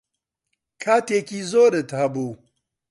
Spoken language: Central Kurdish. کاتێکی زۆرت هەبوو.